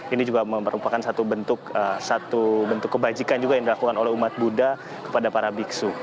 ini juga merupakan satu bentuk kebajikan juga yang dilakukan oleh umat buddha kepada para biksu